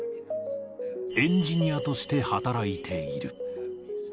エンジニアとして働いている。